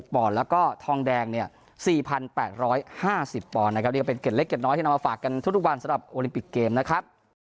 ๗๗๑๖บอลแล้วก็ทองแดงเนี่ย๔๘๕๐บอลเป็นเกล็ดเล็กเกล็ดน้อยที่เรามาฝากกันทุกวันสำหรับโอลิมปิกเกมส์นะครับ